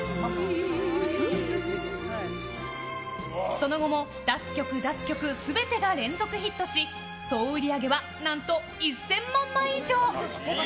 その後も出す曲、出す曲全てが連続ヒットし総売り上げは何と１０００万枚以上。